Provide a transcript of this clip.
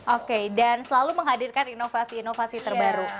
oke dan selalu menghadirkan inovasi inovasi terbaru